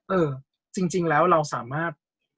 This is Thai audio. เออจริงแล้วเราสามารถ